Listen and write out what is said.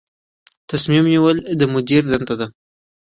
تصمیم نیول د مدیر دنده ده